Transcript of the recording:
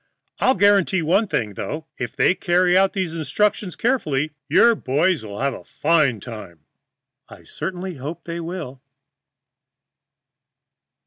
I'll guarantee one thing, though, if they carry out these instructions carefully, your boy friends will have a fine time." I certainly hope they will.